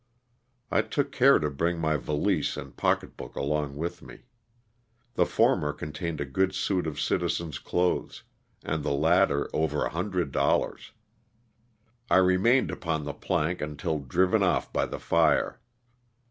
I took care to bring my valise and pocket book along with me. The former contained a good suit of citizen's clothes, and the lat ter over a hundred dollars. I remained upon the plank until driven off by the fire.